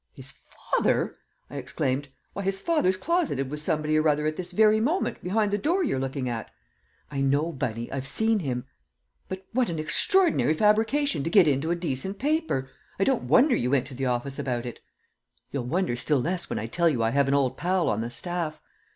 "His father!" I exclaimed. "Why, his father's closeted with somebody or other at this very moment behind the door you're looking at!" "I know, Bunny. I've seen him." "But what an extraordinary fabrication to get into a decent paper! I don't wonder you went to the office about it." "You'll wonder still less when I tell you I have an old pal on the staff."